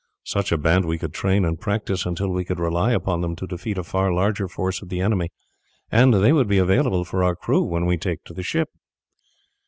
Such a band we could train and practise until we could rely upon them to defeat a far larger force of the enemy, and they would be available for our crew when we take to the ship."